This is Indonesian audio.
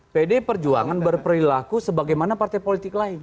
pdi perjuangan berperilaku sebagaimana partai politik lain